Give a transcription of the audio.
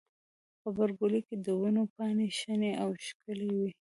غبرګولی کې د ونو پاڼې شنې او ښکلي وي.